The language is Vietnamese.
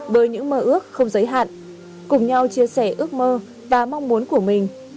với những mơ ước không giới hạn cùng nhau chia sẻ ước mơ và mong muốn của mình